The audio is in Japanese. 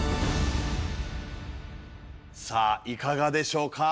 さあいかがでしょうか？